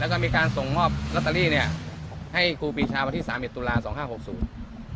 แล้วก็มีการส่งมอบลอตเตอรี่เนี้ยให้ครูปีชาวันที่สามเอ็ดตุลาสองห้าหกศูนย์